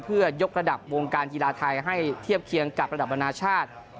เพื่อยกระดับวงการกีฬาไทยให้เทียบเคียงกับระดับนานาชาติ